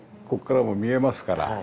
ここからも見えますから。